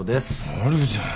あるじゃん。